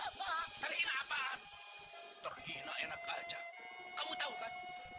apaan terhina enak aja kamu tahu kan semua orang yang ada di desa ini anak gadisnya yuadilah